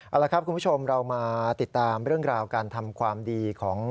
เอาละครับคุณผู้ชมเรามาติดตามเรื่องราวการทำความดีของ